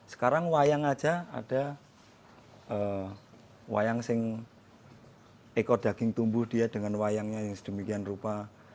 sekarang wayang aja ada wayang sing ekor daging tumbuh dia dengan wayangnya yang sedemikian rupa